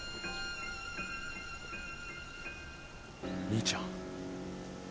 兄ちゃん。